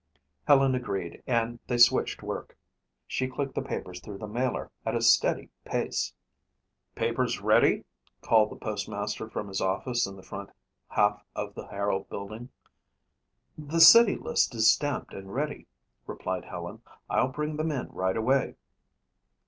Helen agreed and they switched work. She clicked the papers through the mailer at a steady pace. "Papers ready?" called the postmaster from his office in the front half of the Herald building. "The city list is stamped and ready," replied Helen. "I'll bring them in right away."